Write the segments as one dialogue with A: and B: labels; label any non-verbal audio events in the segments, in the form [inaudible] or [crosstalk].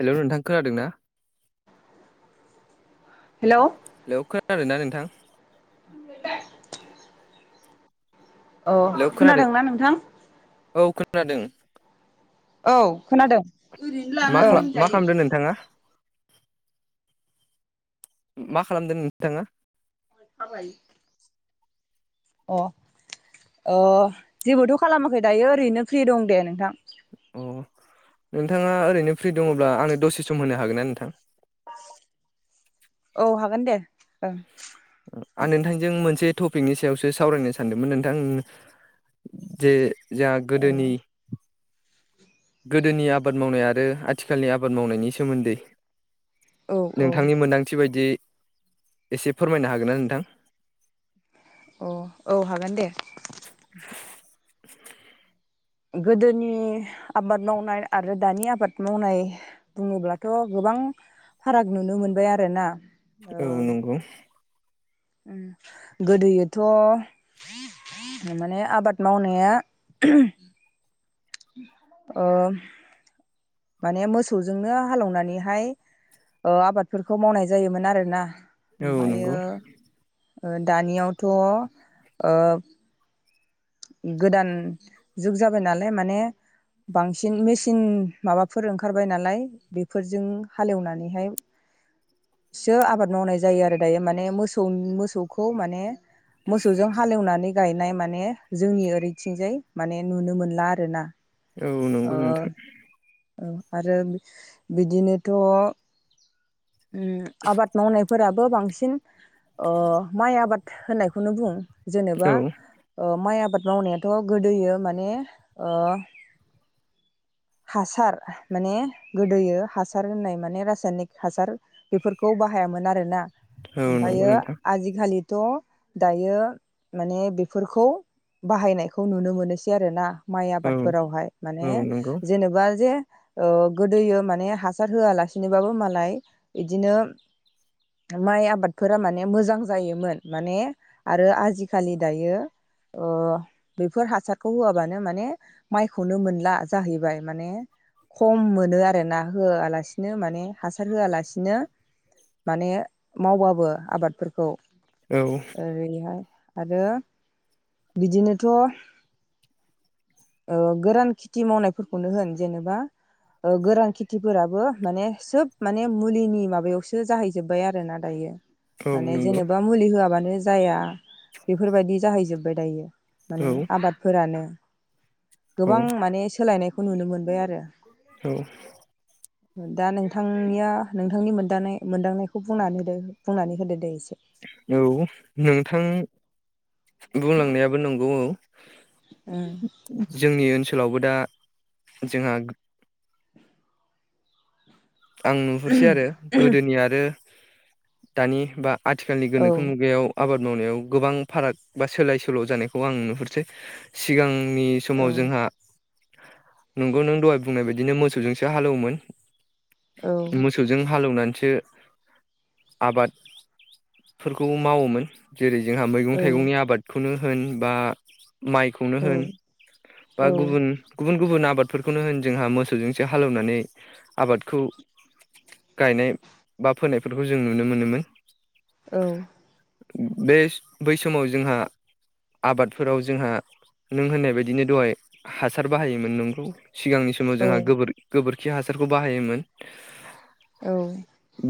A: Hello नोंथां खोनादों ना?
B: हेलौ
A: हेलौ खोनादों ना नोंथां?
B: [unintelligible] अ
A: हेलौ खोनादों
B: खोनादोंना नोंथां?
A: औ खोनादों ।
B: औ खोनादों
A: मा
B: औ
A: खालाम मा
B: ।
A: खालामदों नोंथाङा मा खालामदों नोंथाङा?
B: [unintelligible] अ ओ जेबोथ खालामाखै दायो ओरैनो फ्रि दं दे नोंथां ।
A: अ नोंथाङा ओरैनो फ्रि दङब्ला आंनो दसे सम होनो हागोन ना नोंथां?
B: औ हागोन दे ओं ।
A: आं नोंथांजों मोनसे टपिकनि सायावसो सावरायनो सानदोंमोन नोंथां जे जोंहा
B: औ
A: गोदोनि गोदोनि आबाद मावनाय आरो आथिखालनि आबाद मावनायनि सोमोन्दै
B: औ
A: ।
B: औ
A: नोंथांनि मोनदांथि बायदि एसे फोरमायनो हागोनना नोंथां?
B: अ औ हागोन दे । गोदोनि आबाद मावनाय आरो दानि आबाद मावनाय बुङोब्लाथ' गोब बां फाराग नुनो मोनबाय आरोना ।
A: औ नंगौ ।
B: गोदोयोथ' माने आबाद मावनाया अ माने मोसौजोंनो हालेवनानैहाय ओ आबादफोरखौ मावनाय जायोमोन आरोना ।
A: औ नंगौ
B: ओमफायो ओ दानियावथ' ओ गोदान जुग जाबाय नालाय माने बांसिन मेचिन माबाफोर ओंखारबाय नालाय बेफोरजों हालेवनानैहाय
A: [inaudible]
B: सो आबाद मावनाय जायो आरो दायो माने मोसौ मोसौखौ माने मोसौजों हालेवनानै गायनाय माने जोंनि ओरैथिंजाय माने नुनो मोनला आरोना ।
A: औ नंगौ नोंथां ।
B: औ आरो बिदिनोथ' उम आबाद मावनायफोराबो बांसिन ओ माइ आबाद होननायखौनो बुं जेनेबा
A: औ
B: ओ माइ आ बाद मावनायाथ' गोदोयो माने ओ हासार माने गोदोयो हासार होननाय माने रासायनिक हासार बेफोरखौ बाहायामोन आरोना
A: औ नंगौ
B: ओमफ्रायो
A: नोंथां
B: आजिखालि थ' दायो माने बेफोरखौ बाहायनायखौ नुनो मोनोसै आरोना। माइ
A: औ
B: आबादफोरावहाय माने
A: औ नंगौ
B: जेनेबा जे ओ गोदोयो माने हासार होआलासिनोबाबो मालाय बिदिनो माइ आबादफोरा माने मोजां जायोमोन माने आरो आजिखालि दायो अ बेफोर हासारखौ होआबानो माने माइखौनो मोनला जाहैबाय माने खम मोनो आरो ना होआलासिनो माने हासार होआलासि नो माने मावबाबो आबादफोरखौ
A: औ
B: ओरैहाय आरो बिदिनो थ' ओ गोरान खेथि मावनायफोरखौनो होन जेनेबा ओ गोरान खेथिफोराबो माने सोब माने मुलिनि माबायावसो जाहै जोबबाय आरोना दायो
A: औ
B: माने
A: नंगौ
B: जेनेबा मुलि होयाबान नो जाया बेफोरबायदि जाहैजोब्बाय दायो
A: औ
B: माने आबादफोरानो।
A: औ
B: गोबां माने सोलायनायखौ नुनो मोनबाय आरो।
A: औ।
B: दा नोंथांनिया नोंथांनि मोनदां मोनदांनायखौ बुंनानै होदो बुंनानै होदो दे एसे।
A: औ नोंथां बुंलांनायाबो नंगौ औ ।जोंनि ओनसोल लावबो दा जोंहा आं नुहरसै आरो गोदोनि आरो दानि बा आथिखालनि
B: औ
A: गोनोखो मुगायाव आबाद मावनायाव गोबां फाराग बा सोलाय सोल' जानायखौ आं नुहुरसै सिगां आंनि
B: औ
A: समाव जोंहा नोंगौ नों दहाय बुंनाय बायदिनो मोसौजोंसो हालौवोमोन।
B: औ
A: मोसौजों हालौवनानै सो आबादफोरखौबो मावोमोन। जेरै जोंहा
B: औ
A: मैगं थाइगंनि आबादखौनो होन बा माइखौनो
B: औ
A: होन
B: औ
A: बा गुबुन गुबुन गुबुन आबाद फोरखौनो होन जोंहा मोसौजोंसो हालौवनानै आबादखौ गायनाय बा फोनायफोरखौ जों नुनो मोनोमोन।
B: औ।
A: बे बै समाव जोंहा आबादफोराव जोंहा नों होननाय बायदिनो दहाय हासार बाहायोमोन नंगौ। सिगांनि समाव जोंहा गोबोर- गोबोरखि हासारखौ बाहायोमोन।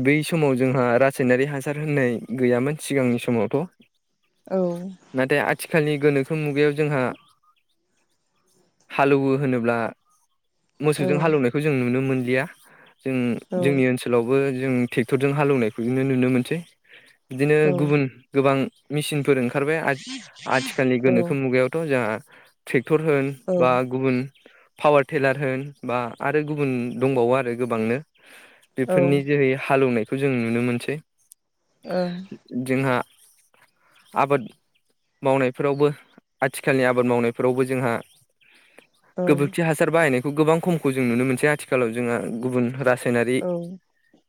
A: बेै समाव जोंहा रासायनारि हासार होननाय गैयामोन सिगांनि समाव थ'
B: औ
A: नाथाय आथिखालनि गोनो खो मुगायाव जोंहा हालौवो होनोब्ला
B: औ
A: मोसौजों हालेवनायखौ जों नुनो मोनलिया जों जोंनि
B: औ
A: ओनसोलावबो जों ट्रेक्टरजों हालेवनाय खौनो नुनो मोनसै बिदिनो गुबुन गोबां मेसिनफोर ओंखार ओंखारबाय आथिखालनि गोनोखो मुगायावथ' जोंहा ट्रेक्टर होन बा गुबुन पावार टिलार होन बा आरो गुबुन दंबावो आरो। गोबांनो बेफोरनि जोहै हालौवनायखौ जों नुनो मोनसै। जोंहा आबाद मावनायफोरावबो आथिखालनि आबाद मावनाय फोरावबो जोंहा गोबोरखि हासार बाहायनायखौ गोबां खमखौ जों नुनो मोनसै आथिखालाव जोंहा गुबुन रासा यनारि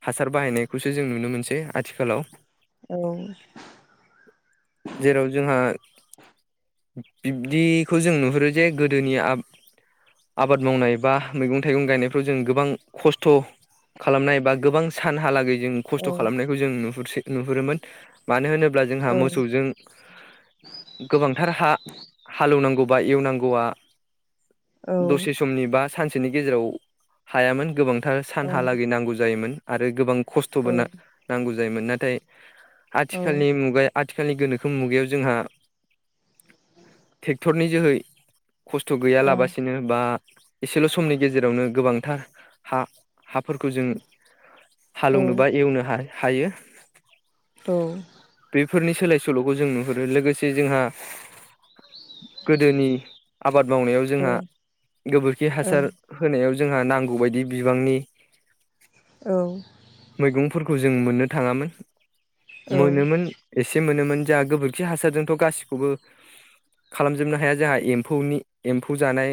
A: हासार बाहायनायखौसो जों नुनो मोनसै आथिखालाव। जेराव जोंहा बिब्दिखौ जों नु रो जे गोदोनि आ-आबाद मावनाय बा मैगं थाइगं गायनायफ्राव जों गोबां खस्थ' खालामनाय बा गोबां सानहालागै जों खस्थ' खालामनायखौ जों नुहुरसै नुहुरोमोन मानो होनो ब्ला जोंहा मोसौजों गोबांथार हा-हालौवनांगौ बा एवनांगौआ दसे समनि बा सानसेनि गेजेराव हायामोन। गोबांथार सानहालागै नांगौ जायोमोन आरो गोबां खस्थ'बो नांगौ जा योमोन नाथाय आथिखालनि मुगाया आथि खालनि गोनोखो मुगायाव जोंहा ट्रेक्टरनि जोहै खस्थ' गैयालाबसिनो बा एसेल' समनि गेजेरावनो गोबांथार हा-हाफोरखौ जों हालौवनोबा एवनो हायो
B: औ
A: फोरनि सोलाय सोल'खौ जों नुहुरो। लोगोसे जोंहा गोदोनि आबाद मावनायाव जोंहा गोबोरखि हासार होनायाव जोंहा नांगौ बायदि बिबांनि
B: औ
A: खौ जों मोननो थाङामोन मोनोमोन एसे मोनोमोन। जोंहा गोबोरखि हासारजोंथ' गासिखौबो खालामजोबनो हाया जोंहा एम्फौनि एम्फौ जानाय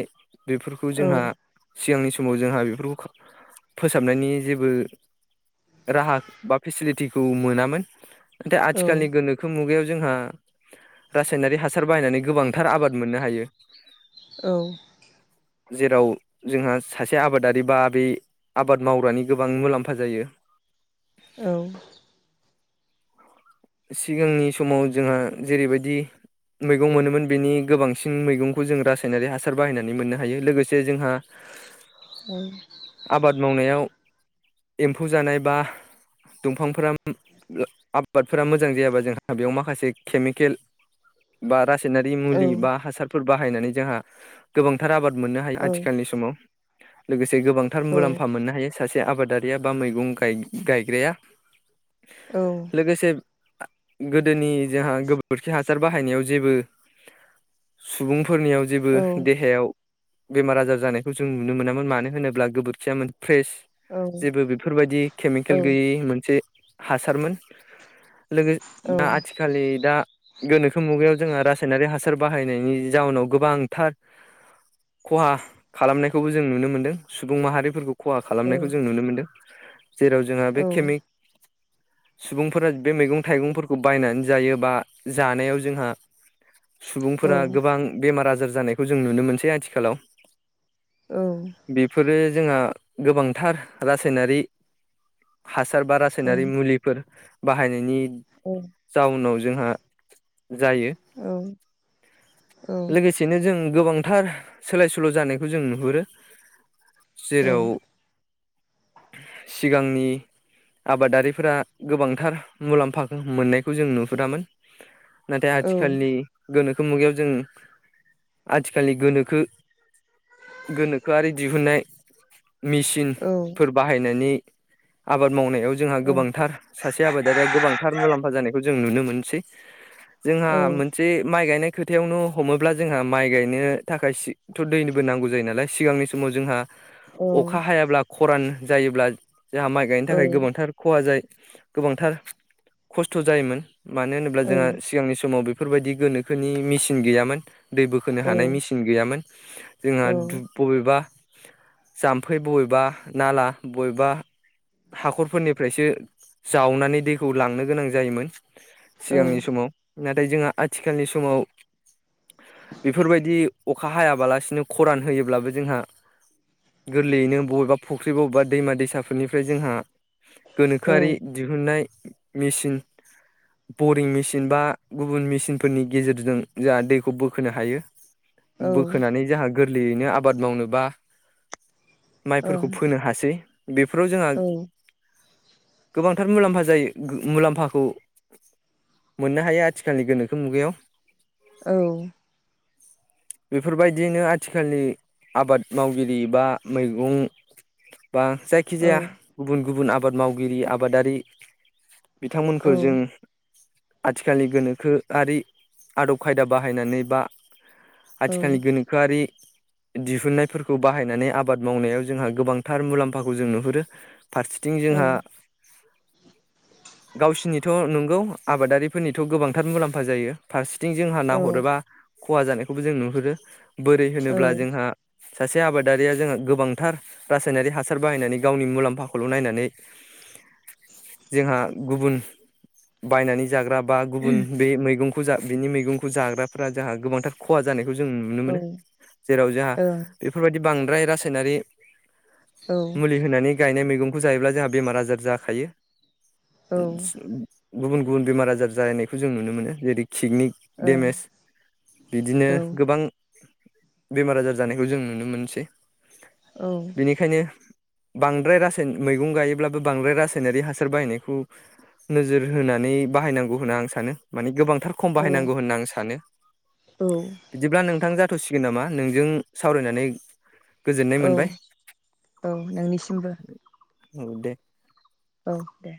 A: बेफोरखौ जोंहा सिगांनि समाव जोंहा बेफोरखौ फोसाबनायनि जेबो राहा बा फेसिलिटिखौ मोनामोन थाय आथिखालनि गोनोखो मुगायाव जोंहा रासायनारि हासार बाहायनानै गोबांथार आबाद मोननो हायो।
B: औ
A: जेराव जोंहा सासे आबादारि बा बे आबाद मावग्रानि गोबां मुलाम्फा जायो।
B: औ
A: सिगांनि समाव जोंहा जेरैबायदि मैगं मोनोमोन बेनि गोबांसिन मैगंखौ जों रासायनारि हासार बाहायनानै मोननो हायो लोगोसे जोंहा आबाद मावनायाव एम्फौ जानाय बा दंफांफोरा [inaudible] आबाद फोरा मोजां जायाबा जोंहा बेयाव माखासे खेमिकेल बा रासायनारि मुलि बा हासारफोर बाहायनानै जोंहा गोबांथार आबाद मोननो हायो आथिखालनि समाव। लोगोसे गोबांथार मुलाम्फा मोननो हायो सासे आबादारिया बा मैगं गाय-गायग्राया। लोगोसे गोदोनि जोंहा गोबोरखि हासार बाहायनायाव जेबो सुबुं फोरनियाव जेबो देहायाव बेमार आजार जानायखौ जों नुनो मोनामोन मानो होनोब्ला गोबोरखिया मोन फ्रेस जेबो बेफोरबायदि खेमिकेल गैयै मोनसे हासारमोन लोगो दा आथिखलि दा गोनोखो मुगायाव जोंहा रासायनारि हासार बाहायनायनि जाउनाव गोबांथार खहा खालामनायखौबो जों नुनो मोनदों सुबुं माहारिफोरखौ खहा खालामनायखौ जों नुनो मोनदों जेराव जोंहा बे खेमिक सुबुंफोरा बे मैगं थाइगंफोरखौ बायनानै जायो बा जानायाव जोंहा सुबुंफोरा गोबां बेमार आजार जानायखौ जों नुनो मोनसै आथिखालाव बेफोरो जोंहा गोबांथार रासायनारि हासार बा रासायनारि मुलिफोर बाहायनायनि जाउनाव जोंहा जायो लोगोसेनो जों गोबां थार सोलाय सोल' जानायखौ जों नुहुरो जेराव सिगांनि आबादारिफोरा गोबांथार मुलाम्फा मोननायखौ जों नुहुरामोन नाथाय आथिखालनि गोनो खो मुगायाव जों आथिखालनि गोनोखो गोनोखोआरि दिहुननाय मिसिनफोर बाहायनायनि आबाद मावनायाव जोंहा
B: औ
A: गोबांथार सासे आबादारिया गोबां फा जानायखौ जों नुनो मोनसै
B: औ
A: जोंहा मोनसे माइ गायनाय खोथायावनो हमोब्ला जोंहा माइ गायनो थाखायसिथ' दैनिबो नांगौ जायो नालाय सिगांनि समाव जोंहा अखा
B: औ
A: हायाब्ला ख'रान जायोब्ला जोंहा माइ गायनो
B: औ
A: थाखाय गोबांथार ख'हा जायो। गोबांथार खस्थ' जायोमोन मानो होनोब्ला जोंहा सिगांनि समाव बे फोरबायदि गोनोखोनि मिसिन गैयामोन। दै बोखोनो हानाय
B: औ
A: मेसिन गैयामोन जोंहा दुब बबेबा जाम्फै बबेबा नाला बबेबा हाखरफोरनिफ्रायसो जावनानै दैखौ लांनो गोनां जायोमोन सिगांनि समाव नाथाय जोंहा आथिखालनि समाव बेफोरबायदि अखा हायाबालासिनो खरान होयोब्लाबो जों गोरलैयैनो बबेबा फुख्रि बबेबा दैमा दैसाफोरनिफ्राय जोंहा गोनोखोआरि दिहुननाय मेसिन बरिं मेचिन बा गुबुन मेसिनफोरनि गेजेरजों जोंहा दैखौ बोखोनो हायो। बोखोनानै जोंहा गोरलैयैनो आबाद मावनोबा माइफोरखौ फोनो हासै बेफोराव जोंहा गोबांथार मुलाम्फा जायो। मुलाम्फाखौ मोननो हायो आथिखालनि गोनोखो मुगायाव
B: औ
A: [inaudible] बेफोरबायदियैनो आथिखालनि आबाद मावगिरि बा मैगं बा जायखिजाया गुबुन गुबुन आबाद मावगिरि आबादारि बिथांमोनखौ जों आथिखालनि गोनोखोआरि आदब खायदा बाहायनानै बा आथिखालनि गोनोखोआरि दिहुननायफोरखौ बाहायनानै आबाद मावनायाव जोंहा गोबांथार मुलाम्फाखौ जों नुहुरो। फारसेथिं जोंहा गावसिनिथ' नंगौ आबादारिफोरनिथ' गोबांथार मुलाम्फा जायो फारसे थिं जोंहा नाहरोब्ला खहा जानायखौबो जों नुहुरो बोरै होनोब्ला जोंहा सासे आबादारिया जोंहा गोबांथार रासायनारि हासार बाहायनानै गावनि मुलाम्फाखौल' नायनानै जोंहा गुबुन बायनानै जाग्रा बा गुबुन बे मैगं खौ जा बिनि मैगंखौ जाग्राफ्रा जोंहा गोबांथार खहा जानाय खौ जों नुनो मोनो
B: औ
A: जेराव जोंहा बेफोरबायदि बांद्राय रासायनारि मुलि होनानै गायनाय मैगंखौ जायोब्ला जोंहा बेमार आजार जाखायो। गुबुन गुबुन बेमार आजार जालायनायखौ जों नुनो मोनो जेरै किडनिक देमेज बिदिनो गोबां बेमार आजार जानायखौ जों नुनो मोनसै बेनिखायनो बांद्राय रासाय मैगं गायोब्लाबो बांद्राय रासायनारि हासार सार बाहायनायखौ नोजोर होनानै बाहायनांगौ होनना आं सानो माने गोबां थार खम बाहायनांगौ होनना आं सानो बिदिब्ला नोंथां जा थ'सिगोन नामा नोंजों सावरायनानै गोजोननाय मोनबाय
B: नोंनिसिमबो
A: औ दे।
B: औ दे।